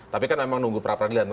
tapi kan emang nunggu pra peradilan